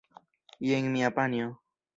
Jen mia panjo!